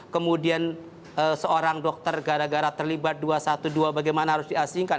kemudian seorang dokter gara gara terlibat dua ratus dua belas bagaimana harus diasingkan